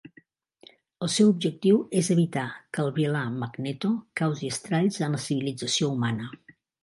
El seu objectiu és evitar que el vilà Magneto causi estralls en la civilització humana.